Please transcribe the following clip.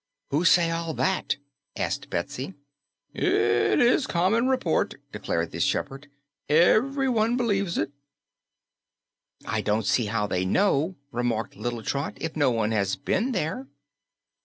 "Who says all that?" asked Betsy. "It is common report," declared the shepherd. "Everyone believes it." "I don't see how they know," remarked little Trot, "if no one has been there."